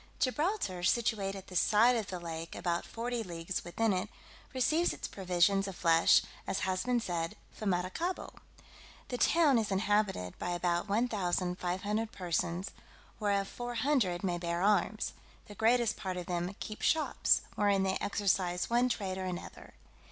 Gibraltar, situate at the side of the lake about forty leagues within it, receives its provisions of flesh, as has been said, from Maracaibo. The town is inhabited by about 1,500 persons, whereof four hundred may bear arms; the greatest part of them keep shops, wherein they exercise one trade or another.